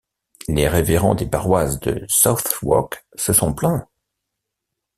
Les révérends des paroisses de Southwark se sont plaints